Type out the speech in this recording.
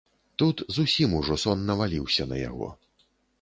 Тут зусім ужо сон наваліўся на яго.